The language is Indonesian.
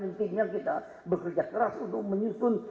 intinya kita bekerja keras untuk menyusun